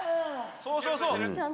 ・そうそうそう！